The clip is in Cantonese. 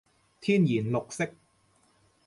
天然綠色